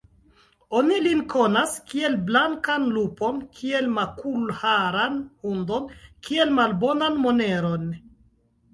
Oni lin konas, kiel blankan lupon; kiel makulharan hundon; kiel malbonan moneron.